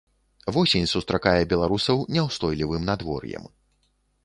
Восень сустракае беларусаў няўстойлівым надвор'ем.